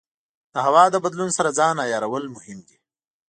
د هوا د بدلون سره ځان عیارول مهم دي.